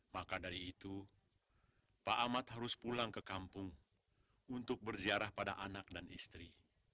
maka dari itu pak ahmad harus pulang ke kampung untuk berziarah pada anak dan istri